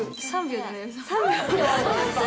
３秒？